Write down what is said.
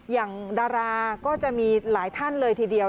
อย่างดาราก็จะมีหลายท่านเลยทีเดียว